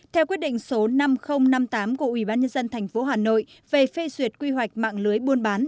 theo quyết định số năm nghìn năm mươi tám của quỹ ban nhân dân thành phố hà nội về phê duyệt quy hoạch mạng lưới buôn bán